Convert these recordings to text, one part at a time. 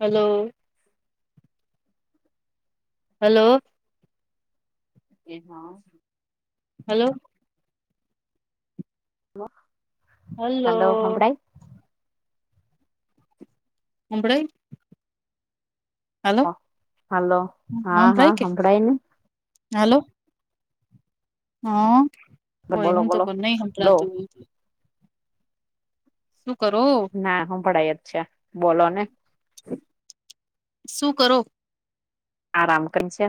Hello hello હા hello હ hello સંભળાય હલો હાલો હા હા સંભાળયકે સંભળાય ને હલો હા ઓય બોલો હું તો બોલો. પણ નહી લો સંભળાતું શું કરો હા હાંભડાઈ છે બોલો ને શું કરો આરામ કરી છે.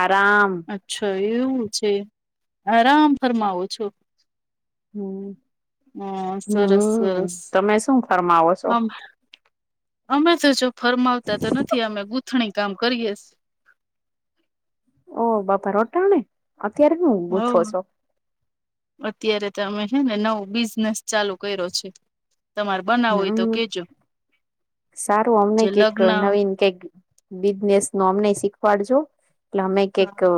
આરાામ અચ્છા એવું છે આરામ ફરમાવો છો. હમ્મ હ સરસ સરસ તમે શું ફરમાવો છો આમ અમે તો જો ફરમાવતા તો નથી અમે ગૂંથણી કામ કરીએ. ઓહ બાપા અટાણે અત્યારે હું ગુથો હવ છો અત્યારે તો અમે છે ને નવું બિઝનેસ ચાલુ કર્યો છે. તમારે બનાવો હોય તો હમ્મ કેજો સારું અમને જે કૈંક લગ્ન નવીન કૈંક બિઝનેસ નો અમને શીખવાડજો એટલે અમે કઈક હા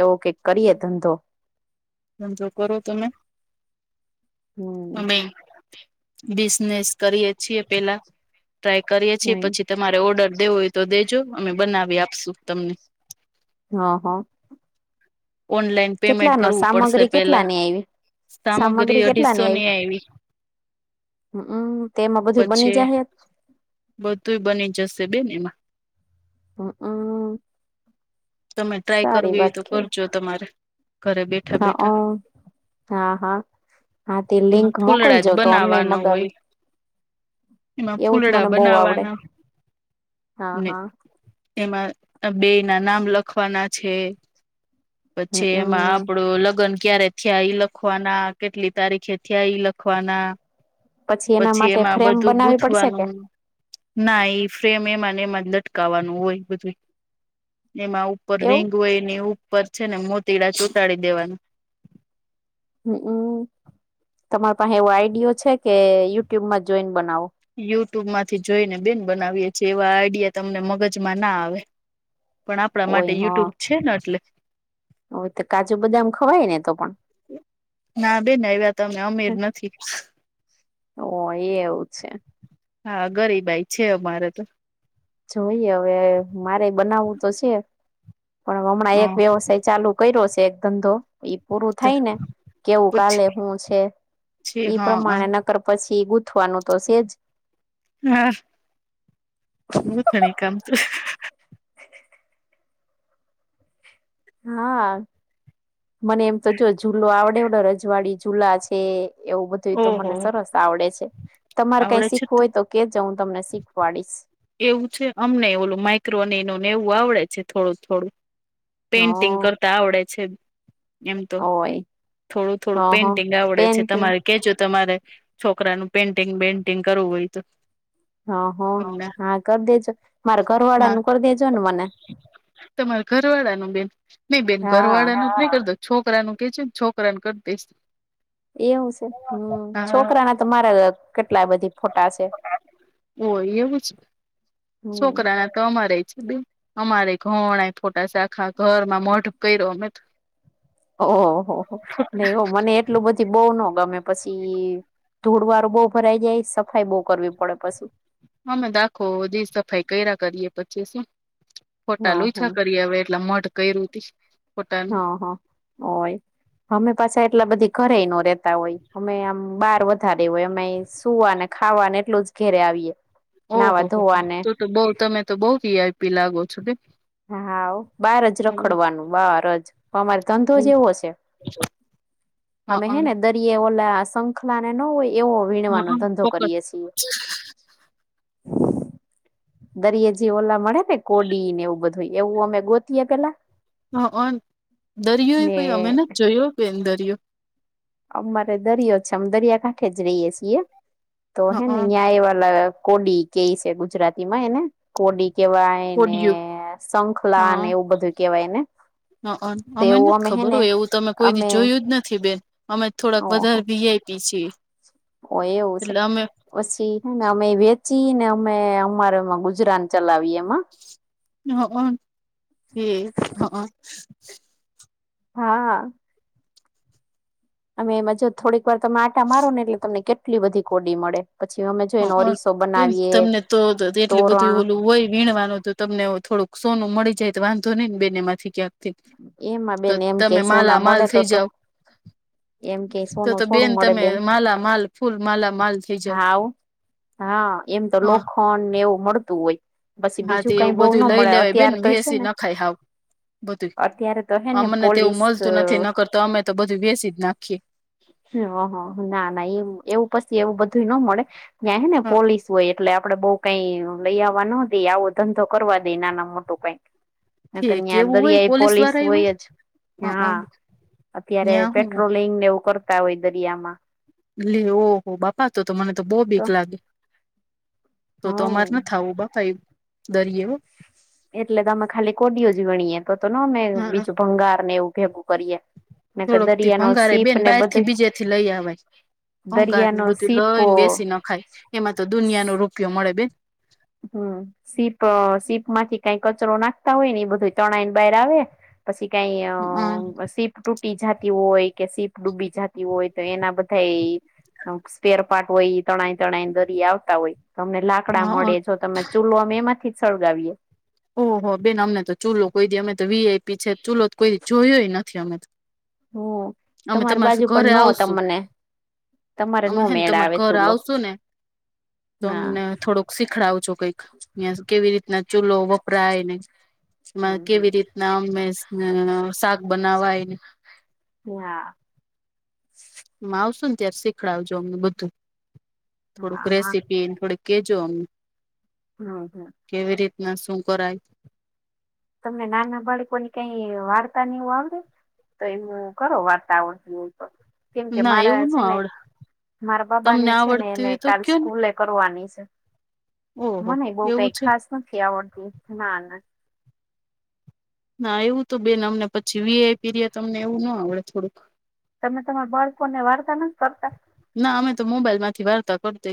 એવો કઈક કરીએ ધંધો. તો કરો તમે હમ. અમે બિઝનેસ કરીએ છીએ પેલા ટ્રાય કરીએ છીએ પછી તમારે ઓર્ડર દેવો હોય તો દેજો અમે બનાવી આપશું તમને. હા હા ઓનલાઈન પેમેન્ટ નો કરવું પડશે સામગ્રી કેટલા પેલા ની આવી સામગ્રી અઢીસો ની આયવી. હમ્મ તેમાં બધું બની જાહે બધુંય બની જશે બેન એમાં. હમ્મ અ તમે ટ્રાય કરવી હો તો છે કરજો તમારે ઘરે બેઠા હા બેઠા હા હા હા તે લિંક એમાં ફૂલડા જ મોકલજો તો અમમે બનાવવાના હોય મગાવી એમાં એવું જ ફૂલડા મને બહવ આવડે બનાવવાના હા ને હા એમાં બે ના નામ લખવાના છે પછી એમાં હમમ આપડો લગ્ન ક્યારે થયા ઈ લખવાના કેટલી તારીખે થયા ઈ લખવાના એના પછી માટે એમાં ફ્રેમ બધું બનાવી પડશે કે ગૂથવાનું ના એ ફ્રેમ એમાં ને એમાં જ લટકાવાનું હોય બધું એમાં ઉપર એવું રીંગ હોય એની ઉપર છે ને મોતીડા ચોટાડી દેવાનું હમ્મ તમાર પાસે એવો આઈડયો છે કે યુટ્યુબમાં જોઈન બનાવો યુટ્યુબ માંથી જોઈને બેન બનાવીએ છેીએ એવા આઈડિયા તમને મગજમાં ના આવે પણ આપણા માટે હોય યુટ્યુબ છે ને એટલે હવે તો કાજુ બદામ ખવાય ને તો પણ ના બેન એવા ત અમે અમેર નથી ઓ એ એવું છે હા ગરીબાઈ છે અમારે તો જોઈએ હવે મારે બનાવવું તો છે પણ હમણાં એક વ્યવસાય ચાલુ કર્યો છે એક ધંધો ઈ પૂરું હ થાય ને કેવું કાલે પછી હું છે ઈ હા પ્રમાણે ન પછી ગૂથવાનું તો છે જ હા બું થણી કામ તું હા મને એમ તો જો ઝૂલો આવડે હોને રજવાડી ઝુલા છે એવું બધું તો ઓહો મને સરસ આવડે છે તમારે કઈ આવડે છે શીખવું હોય તો કે હું તમને શીખવાડીશ એવું છે અમને ઓલું માઈક્રો અને એનું નેવું આવડે છે થોડું થોડું હ પેઇન્ટિંગ કરતા આવડે છે એમ તો ઓય થોડું થોડું હ હ પેઇન્ટિંગ આવડે છે પેન્ટિંગ તમારે કે જો તમારે છોકરાનું પેન્ટિંગ બેન્ટિંગ કરવું હોય તો હ હ અમને હા કરી દેજો મારે ઘરવાળા હા નું કરી દેજો ને મને તમારે ઘરવાળા ન બેન નહી બેન હા ઘરવાળા ન નહી કરતો છોકરાનું કે છે છોકરાને કર દઈશ એવું છે હમ્મ હા છોકરા ના તો મારે કેટલા બધી ફોટા છે ઓ એયછ હમ છોકરા તો અમારે છે બે અમારે ઘણા ફોટા સાખા ઘરમાં મઢ કર્યો અમે ઓહહ નહી હો મને એટલું બધી બો ન ગમે પછી ધોળ વાર બહુ ભરાઈ જાય સફાઈ બહ કરવી પડે પશી અમે દાખોધી સફાઈ કર્યા કરીએ પછી શું ફોટા લુંછા કરી હ એટલા મઢ કર્યું ફોટાનું હા હા હોય અમે પાછા એટલા બધી ઘરે ન રેતા હોય અમે આમ બાર વધારે હોય અમે સુવાને ખાવા એટલું જ ઘેરે આવીએ નાવા ઓહો હો ત ધોવાને તો બહ તમે તો બઉ વીઆઈપી લાગો છો કે હા ઓ બાર જ રખડવાનું બાર જ અમારે ધંધો જેવો છે અમે હે હઅન ને દરિયે ઓલા શંખલા ને ન હોય એવો વીણવાનો હઅન ધંધો ચોક્કસ કરીય છીએ દરિય જે ઓલા મળે ને કોડીને એવું બધું એવું અમે ગોતીએે પેલા હ દરિયો એ ને કોઈ અમે ને જોયો કેમ દરિયો અમારે દરિયો છે અમે દરિયાકાાંઠે જ રહીએ છીએ તો હેને હઅન અહિયાં એ વાલા કોડી કેઈ છે ગુજરાતી માં એને કોડી કેવા ને કોડિયું શખલા ને એવું બધું કેવાય ને હ તો અમેને એવું જ અમે હે ખબર ને હોય એવું તમે કોઈ દી અમે જોયું જ નથી બેન અમે થોડાક ઓહ વધારે વીઆઈપી છીએ ઓ એવું છે એટલે અમે પછી અમે વેચીને અમે અમારેમાં ગુજરાન ચલાવીએ એમાં હ હ હ હા અમે એમાંજ થોડીક વાર તમે આટા મારો ને એટલે તમને કેટલી બધી કોડી મળે પછી અમે જો એનો હ ઓરિસો બનાવીએ તમને તો એટલી તોરણ બધું ઓલું હોય વીણવાનું તમને થોડુંકોનું મળી જાય તો વાંધો નહીને બેન માંથી ક્યાંક એમાં તો બેન એમ કે તમે સોના માલા માલ મળે તો થઈ તો જાાવ એમ કે તો સોનું તો બેન થોડું મળે તમે માલા માલ ફૂલ માલા માલ થઇ જાવ હાવ હા એમ તો હા લોખંડને એવું મળતું હોય પછી બીજું થી એવું કઈ બઉ ન બધું લઈ મળે લેવાય બેન અત્યારે તો છે બેસી ને નખાય હાવ બધું અત્યારે તો હે ને અમને તે એવું પોલીસ મળતું નથી નકરતો અમે તો બધું વસી જ નાખીએ હ ના ના એ એવું પછી એવું બધું ન મળે ત્યાં હે ને પોલીસ હોય એટલે આપડે બઉ કઈ લઈ આવવા ન દઈ આવો ધંધો કરવા દઈ નાના મોટું કઈક ઠીક એવું હોય પોલીસ વાળા એ હોય હ હા અત્યારે ત્યાં હું પેટ્રોલ લિંગને એવું કરતા હોય દરિયામાં લ ઓહો બાપા તો મને તો બહ ભીક લાગે તો તો અમારે હમ ના આવું બાપા એ દરીયવ એટલે અમે ખાલી કોડીિયો જ ગણીએ તો તો ન અમે બીજું ભંગાર ને એવું ભેગું કરીએ ને કે થોડોક થી દરિયાનો ભંગારે સીપ બેન ને બાર થી બધું બીજે થી લઈ આવાય ભંગાાર ને દરિયાનો બધું સીપો લઈને વસી નાખાય એમાં તો દુનિયા નો રૂપિયો મળે બે હમ સીપ સીપ માંથી કઈ કચરો નાખતા હોય ને એ બધું ચણ ને બહાર આવે પછી કઈ હ સી તૂટી જતી હોય કે સીપ ડૂબી જતી હોય તો એના બધા સ્પેર પાર્ટ હોય તણાય તણાઈ દરી આવતા હોય તમને લાકડા હ મળે જો તમે ચૂલો અમે એમાંથી સળગાવીએ ઓહ બેન અમને તો ચૂલો કોઈ દી અમે તો વીઆઈપી છે ચૂલો કોઈી જોયો નથી અમે તો હમ અમે તમારી તમારા સુ બાજુ ઘરે પણ ન આવશું તમને તમારે અમે નો હેને મેળ તમાર આવે ઘર ચૂલો આવશુ ને તો હા અમને થોડોક શીખડાવ છો કઈક અ્યાં કેવી રીતના ચૂલો વપરાયનેમાં હમ હમ કેવી રીતના અમે બનાવાય ને હા આવશું ને ત્યારે શીખડાવજો અમને બધું થોડુંક હા હા રેસીપી થોડીક કેજોમ હમ હા કેવી રીતના શું કરાય તમને નાના બાળકો ને કઈ વાર્તા નહ આવડે તો એ હું કરો વાર્તા આવળતી હો કેમ કે ના મારા એવું ન છે ને આવડે મારા બાબા ને તમને છે ને આવડતી એને હોય તો કાલ કયો ને સ્કૂલે કરવાની છે ઓહો! મને બહ એવું કઈ છે. ખાસ નથી આવડતી ના ના ના એવું તો બેન અમને પછી વીઆઈ પી તમને એવું ના આવડે થોડું તમે તમારા બાળકો ને વાર્તા નથી કરતા ના અમે તો મોબાઈલ માંથી વાર્તા કર દય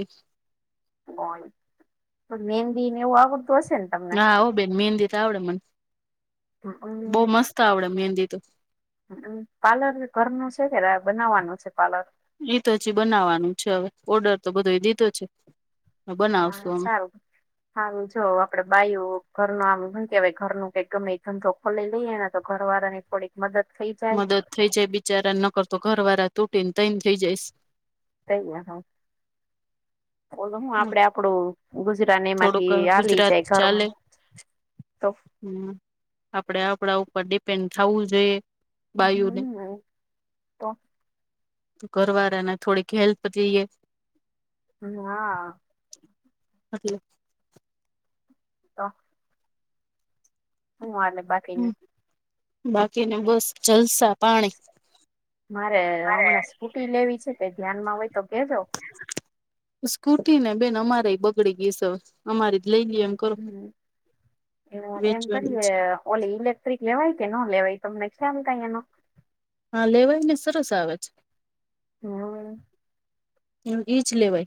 પણ મેંદીને એવું આવડતું હશે ને તમને હા હ બે મ મેહેંદી તો આવડે મને હ અને ત આવમંદીું પાર્લર ઘરનું છે કે બનાવવાનું છે પાર્લર એ તો હજી બનાવાનું છે હવે ઓર્ડર તો બધો એ દીધો છે. હા બનાવશું અમે સારું હા જો આપડે બાાયું ઘર ન આ કેવાય ઘર ન કઈ ગમે ધંધો ખોલી લઈએ તો ઘર વાળા ની થોડીક મદદ થઈ જાય. મદદ થઈ જાય બિચારાને નકરતો ઘર વાળા તૂટી ને તોઈને થઇ જાય. થ ગયા હ હું આપડે આપડું ગુજરા એમાંથી થોડુંક આવીલી ગુજરાત જાય ચાલે ઘરમાં તો હમ આપડે આપડા ઉપર ડેપેન્ડ થવું જોઈએ વાાયુને હમ તો ઘવા ર ને થોડીક હેલ્પ લઈએ હ હા એટલે તો હાલે બાકિ હ બાકીને બસ જલસા પાણી મારે હમણાં સ્ફૂટી લેવી છે કે ધ્યાનમાં હોય તો કેહેજો સ્કૂટી ને બેન અમારે બગડી ગઈસ અમારી જ લઈ લઈ એમ કરો હમ એ એમ વેચવાની કરીએ છે [unintelligible] ઓલે ઇલેક્ટ્રિક લેવાય કે ન લેવાય તમનેમ કઈ એનો હા લેવાય ને સરસ આવે છે. હા ઇજ લેવાઇ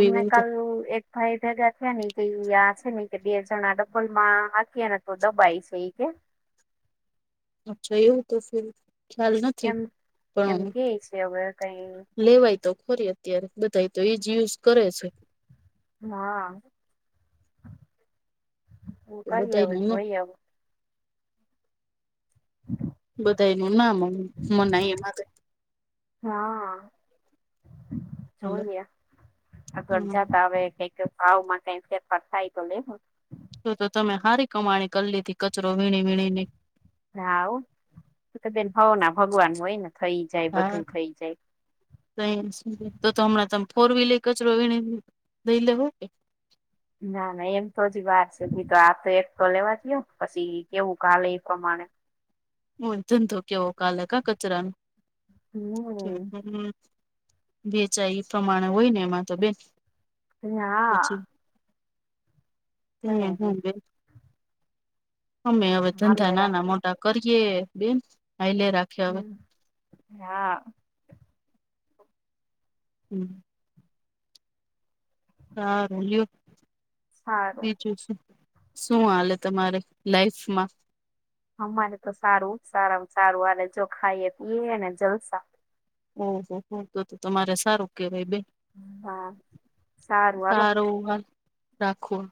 અમને કાલ એક ભાઈ ભેગા થયા ને કે ઈ આ છે ને કે બે જણા ડબ્બલમાં નાખીએ ને તો દબાય છે એ કે અચ્છા એવું તો ફર‌ એમ એમ કે છે ઓવેર કઈ લેવાય તો ખોરી અત્યારે બધા તો એજ યુઝ કરે છે. હા હ કરી બધા હ ન જોઈ હ હ [inaudible] બધા ન ના મનાય એમાં-' હા હાલો જોઈએ આગળ હમ જતા હ કઈક ભાવ માં કઈક ફેરફાર થાય તો લેવો-' શ તો તમે સારી કમાણી કરી લીધી કચરો વીણી વીણી રા આવ તો બેન હોાવ ના ભગવાન હોય ને થઈ જાય બધું થઈ જાય. ત તો હમણાં તમે ફોર વ્હીલર કચરો એ દઈ લે હોય કે ના ના એમ તો જ વાર છે ભી તો આ તો એક તો લેવા દયો પછી કેવું કાલે એ પ્રમાણે હ ધંધો કેવો કાલક આ કચરા ન હમ વેચાય એ પ્રમાણે હોય ને એમાં તો બેન અ ના હમ કઈ હમ બેન અમે હવે હાલે ધંધા નાના રાખો મોટા કરીએ બેન આ લે રાખે હવે હમ હા હમ હા રોલીિયો હા [inaudible] બીજું શું હાલે તમારે લાઈફમાં અમારે તો સારું સારા સારું આ જો ખાઈએ પીએ ને જલસા ઓહો હો તો તો તમારે સારું કેહેવાય બેન. હા સારું હાલો સારુ રાખું.